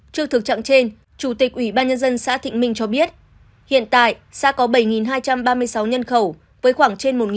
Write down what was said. trước thực trạng trên chủ tịch ủy ban nhân dân xã thịnh minh cho biết hiện tại xã có bảy hai trăm ba mươi sáu nhân khẩu với khoảng trên một sáu trăm linh hộ